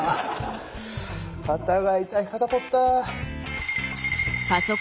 肩が痛い肩こった。